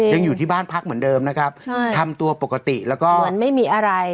ยังอยู่ที่บ้านพักเหมือนเดิมนะครับใช่ทำตัวปกติแล้วก็เหมือนไม่มีอะไร